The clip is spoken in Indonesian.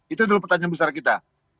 itu adalah pertanyaan besar kita